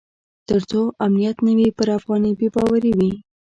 تر څو امنیت نه وي پر افغانۍ بې باوري وي.